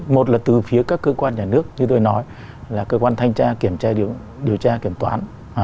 một là từ phía các cơ quan nhà nước như tôi nói là cơ quan thanh tra kiểm tra điều tra kiểm toán